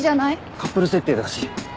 カップル設定だし。